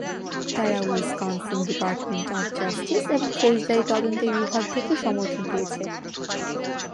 তারা Wisconsin department of justice এবং ফৌজদারি তদন্তের বিভাগ থেকে সমর্থন পেয়েছে।